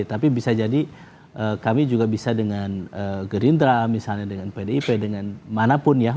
tapi bisa jadi kami juga bisa dengan gerindra misalnya dengan pdip dengan manapun ya